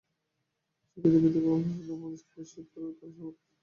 শিক্ষিতা বিধবা ও ব্রহ্মচারিণীগণের ওপরই স্কুলের শিক্ষার ভার সর্বথা রাখা উচিত।